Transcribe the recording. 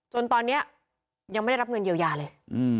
จนตอนนี้ยังไม่ได้รับเงินเยียวยาเลย